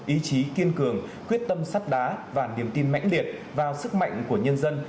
ý chí kiên cường quyết tâm sắt đá và niềm tin mạnh liệt vào sức mạnh của nhân dân